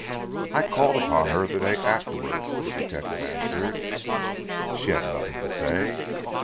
"I called upon her the day afterwards," the detective answered. "She had nothing to say?"